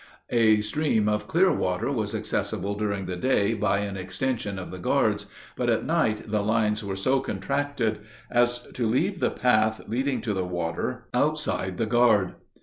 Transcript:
A stream of clear water was accessible during the day by an extension of the guards, but at night the lines were so contracted as to leave the path leading to the water outside the guard.